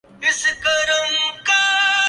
وہ چارپائیوں کی نذر ہو گیا